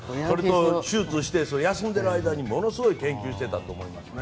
手術して休んでる間にものすごい研究していたと思いますね。